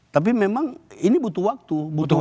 tapi memang ini butuh waktu